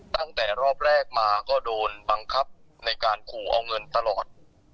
ตั้งแต่รอบแรกมาก็โดนบังคับในการขู่เอาเงินตลอด